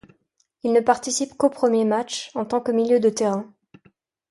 Il ne participe qu'au premier match, en tant que milieu de terrain.